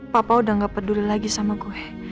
papa udah gak peduli lagi sama gue